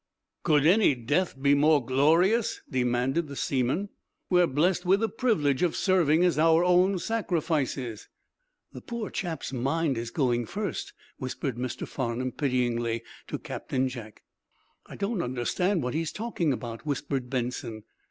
"Could any death be more glorious?" demanded the seaman. "We are blessed with the privilege of serving as our own sacrifices!" "The poor chap's mind is going first," whispered Mr. Farnum, pityingly, to Captain Jack. "I don't understand what he's talking about," whispered Benson.